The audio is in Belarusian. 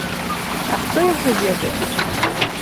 А хто яго ведае!